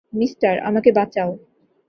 Mister, আমাকে বাঁচাও!